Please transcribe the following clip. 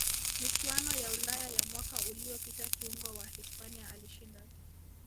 michuano ya ulaya ya mwaka uliyopita kiungo wa hispania alishinda